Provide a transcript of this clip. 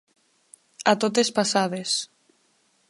A totes passades.